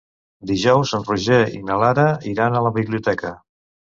Dijous en Roger i na Lara iran a la biblioteca.